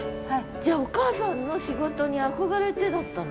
じゃあお母さんの仕事に憧れてだったの？